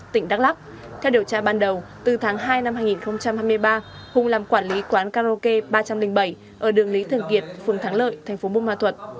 theo điều tra ban đầu từ tháng hai năm hai nghìn hai mươi ba hùng làm quản lý quán karaoke ba trăm linh bảy ở đường lý thường kiệt phường thắng lợi thành phố bô mo thuật